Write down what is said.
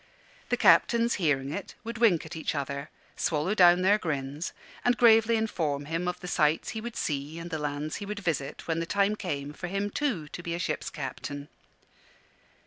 The captains, hearing it, would wink at each other, swallow down their grins, and gravely inform him of the sights he would see and the lands he would visit when the time came for him, too, to be a ship's captain.